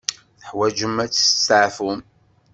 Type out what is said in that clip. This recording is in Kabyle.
Teḥwaǧem ad testeɛfum.